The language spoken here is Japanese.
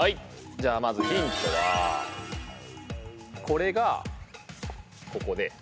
じゃあまずヒントはこれがここで。